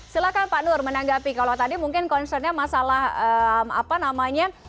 silahkan pak nur menanggapi kalau tadi mungkin concernnya masalah apa namanya